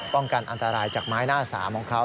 กันอันตรายจากไม้หน้าสามของเขา